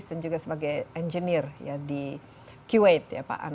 dan juga sebagai engineer di kuwait